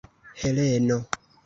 Heleno!